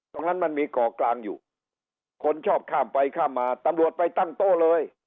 มันมีเกาะกลางอยู่คนชอบข้ามไปข้ามมาตำรวจไปตั้งโต๊ะเลย